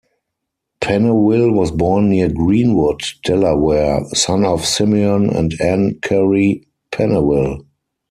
Pennewill was born near Greenwood, Delaware, son of Simeon and Ann Curry Pennewill.